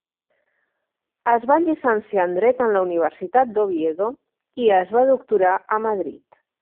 Es va llicenciar en dret en la Universitat d'Oviedo i es va doctorar a Madrid.